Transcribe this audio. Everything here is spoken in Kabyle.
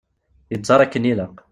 Yeẓẓar akken ilaq.